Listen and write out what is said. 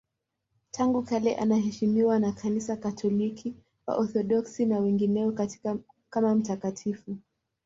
Tangu kale anaheshimiwa na Kanisa Katoliki, Waorthodoksi na wengineo kama mtakatifu.